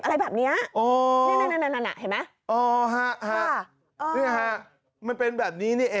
อะไรแบบเนี่ย